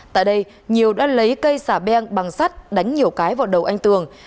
tại đây nhiều đã lấy cây xả beng bằng sắt đánh nhiều cái vào đầu anh tường